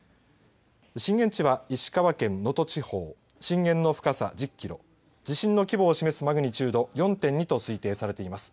震源地は石川県能登地方震源の深さ１０キロ地震の規模を示すマグニチュード４．２と推定されています。